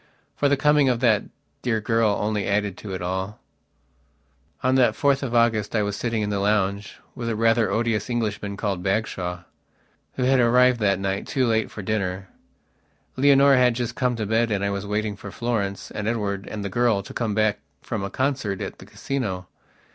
For the coming of that dear girl only added to it all. On that 4th of August I was sitting in the lounge with a rather odious Englishman called Bagshawe, who had arrived that night, too late for dinner. Leonora had just gone to bed and I was waiting for Florence and Edward and the girl to come back from a concert at the Casino.